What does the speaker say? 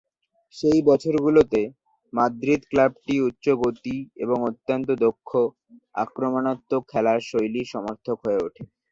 সেই বছরগুলোতে, মাদ্রিদ ক্লাবটি উচ্চ-গতি এবং অত্যন্ত দক্ষ, আক্রমণাত্মক খেলার শৈলীর সমার্থক হয়ে ওঠে।